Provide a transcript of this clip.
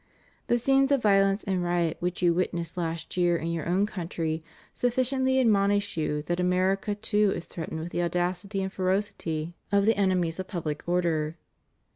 The scenes of violence and riot which you witnessed last year in your own country sufficiently admonish you that America too is threatened with the audacity and ferocity of the CATHOLICITY IN THE UNITED STATES. 333 enemies of public order.